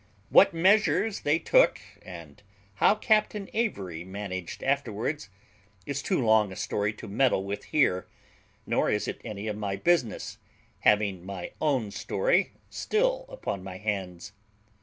What measures they took, and how Captain Avery managed afterwards, is too long a story to meddle with here; nor is it any of my business, having my own story still upon my hands.